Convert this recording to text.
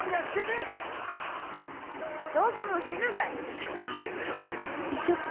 非常に危険な状態です。